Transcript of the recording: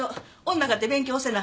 女かて勉強せな。